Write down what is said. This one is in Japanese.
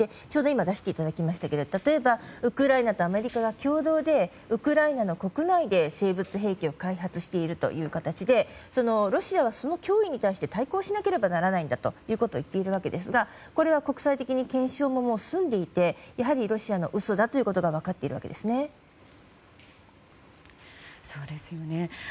ちょうど今出していただきましたが例えば、ウクライナとアメリカが共同でウクライナの国内で生物兵器を開発しているという形でロシアはその脅威に対して対抗しなければならないんだと言っているわけですがこれは国際的に検証も済んでいてやはりロシアの嘘だということが分かっているわけですね。